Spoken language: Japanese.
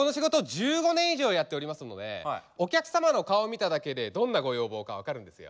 １５年以上やっておりますのでお客様の顔を見ただけでどんなご要望か分かるんですよ。